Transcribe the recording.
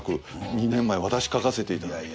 ２年前私書かせていただいて。